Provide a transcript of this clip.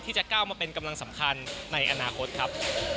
ที่จะก้าวมาเป็นกำลังสำคัญในอนาคตครับ